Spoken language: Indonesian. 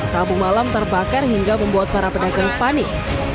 rabu malam terbakar hingga membuat para pedagang panik